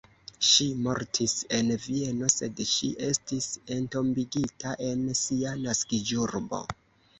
Ŝi mortis en Vieno, sed ŝi estis entombigita en sia naskiĝurbo.